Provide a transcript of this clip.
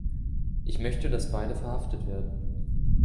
Ich möchte, dass beide verhaftet werden.